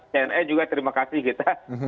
cnn juga terima kasih kita